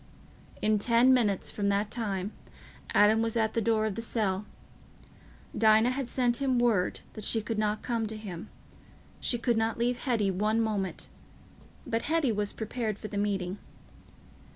In ten minutes from that time, Adam was at the door of the cell. Dinah had sent him word that she could not come to him; she could not leave Hetty one moment; but Hetty was prepared for the meeting.